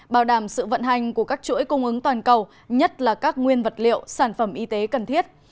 bảo đảm sự vận hành của các chuỗi cung ứng toàn cầu nhất là các nguyên vật liệu sản phẩm y tế cần thiết